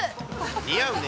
似合うね。